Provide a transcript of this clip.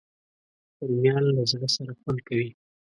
رومیان له زړه سره خوند کوي